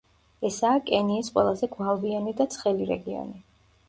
ესაა კენიის ყველაზე გვალვიანი და ცხელი რეგიონი.